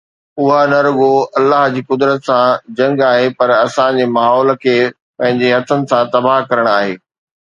اها نه رڳو الله جي قدرت سان جنگ آهي پر اسان جي ماحول کي پنهنجي هٿن سان تباهه ڪرڻ آهي